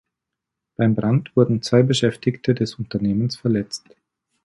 Beim Brand wurden zwei Beschäftigte des Unternehmens verletzt.